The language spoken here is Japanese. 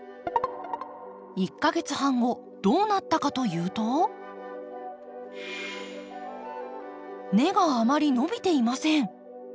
１か月半後どうなったかというと根があまり伸びていません。